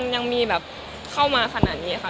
ยังมีแบบเข้ามาขนาดนี้ค่ะ